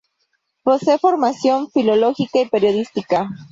Posee formación filológica y periodística.